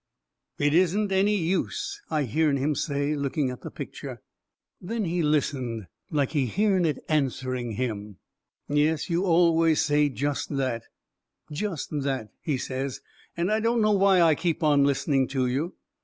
"It isn't any use," I hearn him say, looking at the picture. Then he listened like he hearn it answering him. "Yes, you always say just that just that," he says. "And I don't know why I keep on listening to you."